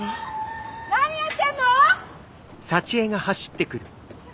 何やってんの！？